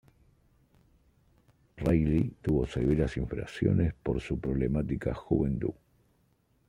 Reilly tuvo severas infracciones por su problemática juventud.